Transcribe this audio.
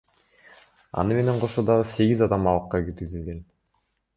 Аны менен кошо дагы сегиз адам абакка киргизилген.